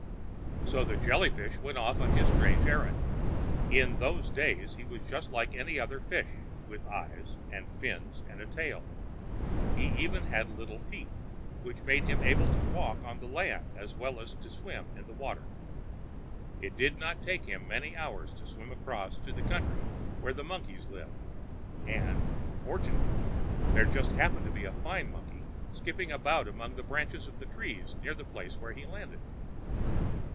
So the Jelly fish went off on his strange errand. In those days he was just like any other fish, with eyes, and fins, and a tail. He even had little feet, which made him able to walk on the land as well as to swim in the water. It did not take him many hours to swim across to the country where the monkeys lived; and, fortunately, there just happened to be a fine monkey skipping about among the branches of the trees near the place where he landed.